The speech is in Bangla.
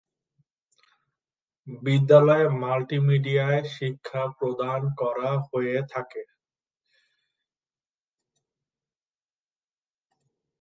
বিদ্যালয়ে মাল্টিমিডিয়ায় শিক্ষা প্রদান করা হয়ে থাকে।